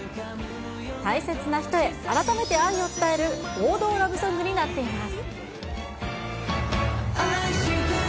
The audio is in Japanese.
大切な人へ、改めて愛を伝える王道ラブソングになっています。